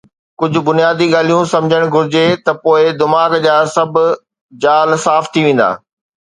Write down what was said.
ڪجھه بنيادي ڳالھيون سمجھڻ گھرجي ته پوءِ دماغ جا سڀ جال صاف ٿي ويندا.